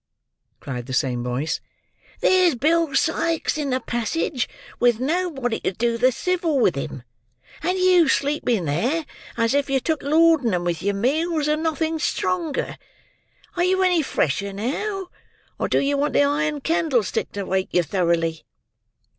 cried the same voice. "There's Bill Sikes in the passage with nobody to do the civil to him; and you sleeping there, as if you took laudanum with your meals, and nothing stronger. Are you any fresher now, or do you want the iron candlestick to wake you thoroughly?"